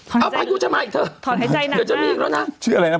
อ้าพายุเลยอย่าจะมีอีกแล้วนะ